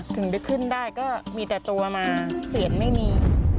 ถึงไปขึ้นได้ก็มีแต่ตัวมาเสียงไม่มี